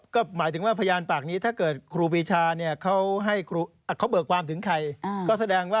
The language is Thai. ก็แสดงว่าเขาก็ต้องวางแผนไปแล้ว